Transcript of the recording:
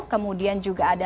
kemudian juga ada